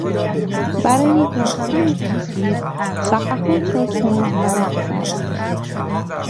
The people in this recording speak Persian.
برای یافتن تصویر، صفحات را تند ورق زد.